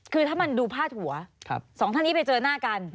คือถ้ามันดูพาดหัวสองท่านนี้ไปเจอหน้ากัน